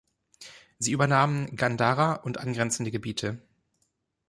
Sie übernahmen Gandhara und angrenzende Gebiete.